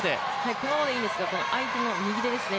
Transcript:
このままでいいですよ、相手の右手ですね。